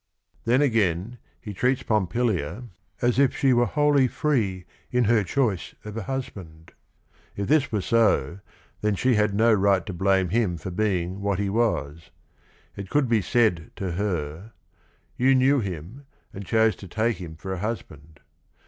Then again he treats Pompilia as if she were COUNT GUIDO FRANCESCHINI 77 wholly free in her choice of a husband. If this were so, then she had no right to blame him for being what he was. It could be said to her, " You knew him, and chose to take him for a husband."